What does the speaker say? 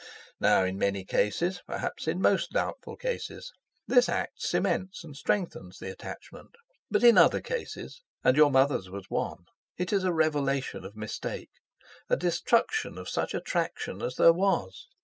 Now, in many, perhaps in most doubtful cases, this act cements and strengthens the attachment, but in other cases, and your mother's was one, it is a revelation of mistake, a destruction of such attraction as there was.